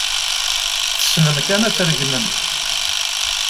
Tessnem kan ad tregmem.